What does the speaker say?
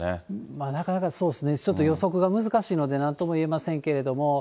まあ、なかなか、ちょっと予測が難しいので、なんとも言えませんけれども。